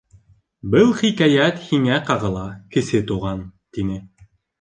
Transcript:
— Был хикәйәт һиңә ҡағыла, Кесе Туған, — тине.